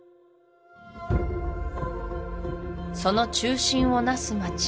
その中心を成す街